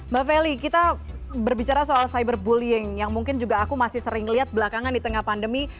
mbak feli kita berbicara soal cyberbullying yang mungkin juga aku masih sering lihat belakangan di tengah pandemi